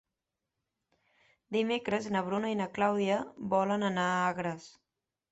Dimecres na Bruna i na Clàudia volen anar a Agres.